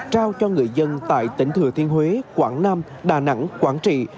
trao cho người dân tại tỉnh thừa thiên huế quảng nam đà nẵng quảng trị